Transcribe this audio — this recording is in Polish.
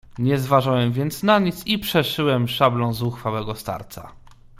"Nie zważałem więc na nic i przeszyłem szablą zuchwałego starca."